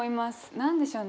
何でしょうね